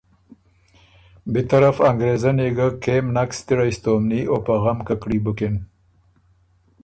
بی طرف انګرېزنی ګه کېم نک ستِړئ ستومني او په غم ککړي بُکِن۔